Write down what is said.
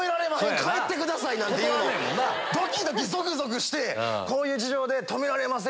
なんて言うのドキドキゾクゾクしてこういう事情で止められません